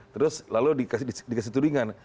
terus lalu dikasih tudingan